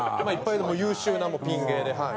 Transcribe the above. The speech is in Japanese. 優秀なピン芸ではい。